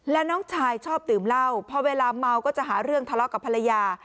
แล้วน้องชายชอบดื่มเหล้าพอเวลาเมาก็จะหาเรื่องทะเลาะกับภรรยา